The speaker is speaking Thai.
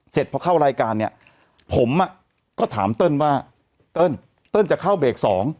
เสร็จพอเข้ารายการเนี่ยผมก็ถามเติ้ลว่าเติ้ลเติ้ลจะเข้าเบรก๒